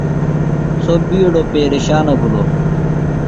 سوۡ بِیڈوۡ پیرشانہ بِھلوۡ۔